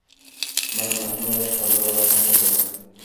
مرګ به حتماً راشي خو زه به لا هم پاتې یم.